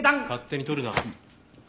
勝手に取るな。